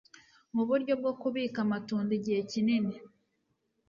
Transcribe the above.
Mu buryo bwo kubika amatunda igihe kinini